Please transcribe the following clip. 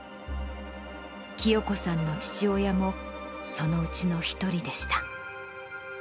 清子さんの父親も、そのうちの１人でした。